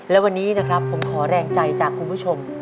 และวันนี้นะครับผมขอแรงใจจากคุณผู้ชม